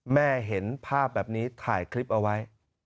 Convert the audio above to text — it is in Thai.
เห็นภาพแบบนี้ถ่ายคลิปเอาไว้